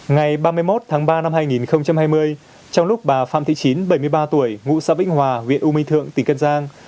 ngày ba mươi một tháng ba năm hai nghìn hai mươi trong lúc bà phạm thị chín bảy mươi ba tuổi ngụ xã vĩnh hòa huyện u minh thượng tỉnh cân giang